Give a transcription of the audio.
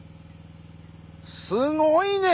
すごいね！